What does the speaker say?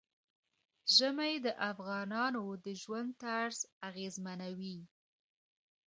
ژمی د افغانانو د ژوند طرز اغېزمنوي.